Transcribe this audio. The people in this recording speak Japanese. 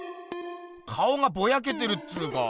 顔がボヤけてるっつうか。